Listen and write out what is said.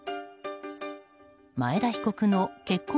前田被告の結婚